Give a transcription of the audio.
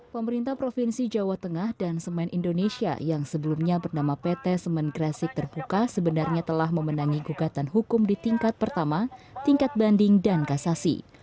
pemerintah provinsi jawa tengah dan semen indonesia yang sebelumnya bernama pt semen kresik terbuka sebenarnya telah memenangi gugatan hukum di tingkat pertama tingkat banding dan kasasi